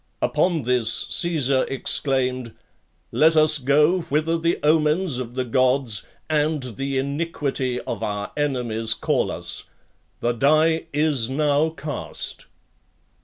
Upon this, Caesar exclaimed, "Let us go whither the omens of the Gods and the iniquity of our enemies call us. The die is now cast."